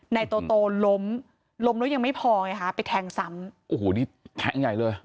นายโตโตล้มล้มแล้วยังไม่พอไงฮะไปแทงซ้ำโอ้โหนี่แทงใหญ่เลย